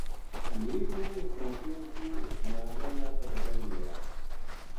حنیف نے اس نا کہیو توہ اس جنازہ نا فتح جنگ لے آ